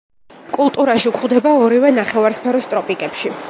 კულტურაში გვხვდება ორივე ნახევარსფეროს ტროპიკებში.